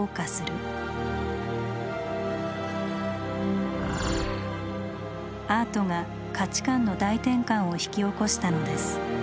アートが価値観の大転換を引き起こしたのです。